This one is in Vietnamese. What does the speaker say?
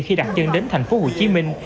khi đặt chân đến thành phố hồ chí minh